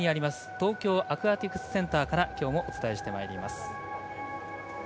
東京アクアティクスセンターからきょうもお伝えしてまいります。